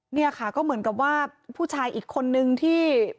เนี่ยค่ะก็เหมือนกับว่าผู้ชายอีกคนนึงที่